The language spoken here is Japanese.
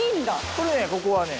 「これここはね」